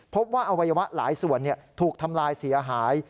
ว่าอวัยวะหลายส่วนถูกทำลายเสียหาย